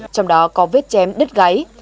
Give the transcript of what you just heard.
trong đó có vết chém đứt gáy